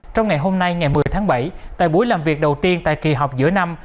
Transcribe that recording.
trong ngày hôm nay ngày một mươi tháng bảy tại buổi làm việc đầu tiên tại kỳ họp giữa năm